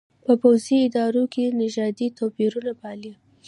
په پوځي ادارو کې نژادي توپېرونه پالي.